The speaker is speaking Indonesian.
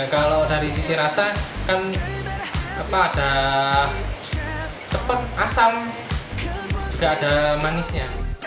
kalau dari sisi rasa kan ada cepat asam juga ada manisnya